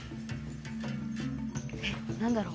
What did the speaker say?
え何だろう？